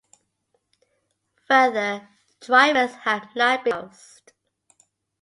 Further drivers have not been announced.